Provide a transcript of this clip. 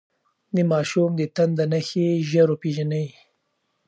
د ماشوم د تنده نښې ژر وپېژنئ.